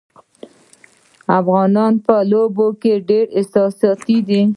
افغانان په لوبو کې ډېر احساساتي دي.